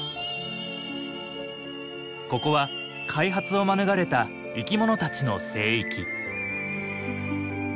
ここは開発を免れた生き物たちの聖域。